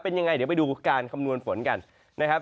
เป็นยังไงเดี๋ยวไปดูการคำนวณฝนกันนะครับ